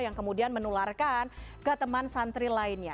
yang kemudian menularkan ke teman santri lainnya